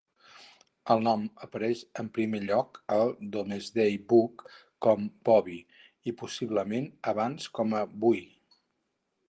El nom apareix en primer lloc al Domesday Book com "Bovi" i possiblement abans con "Buui".